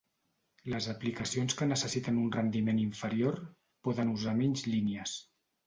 Les aplicacions que necessiten un rendiment inferior, poden usar menys línies.